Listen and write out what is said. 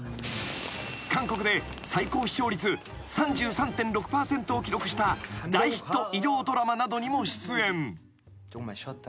［韓国で最高視聴率３３．６％を記録した大ヒット医療ドラマなどにも出演］